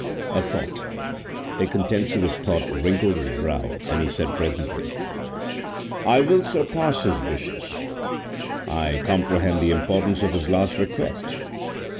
A thought, a contemptuous thought, wrinkled his brow, and he said presently,— "I will surpass his wishes. I comprehend the importance of his last request.